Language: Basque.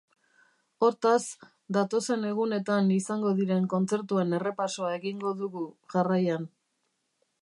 Hortaz, datozen egunetan izango diren kontzertuen errepasoa egingo dugu, jarraian.